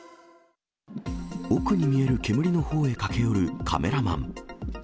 奥に見える煙のほうへ駆け寄るカメラマン。